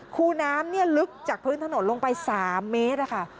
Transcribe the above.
คูน้ำลึกจากพื้นถนนลงไป๓เมตรค่ะ